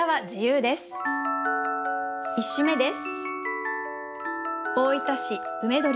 １首目です。